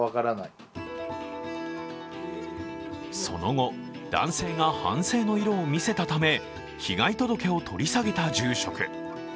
その後、男性が反省の色を見せたため被害届を取り下げた住職。